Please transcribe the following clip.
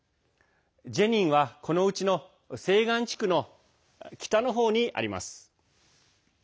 ジェニンは、このうちの西岸地区の北の方にあります。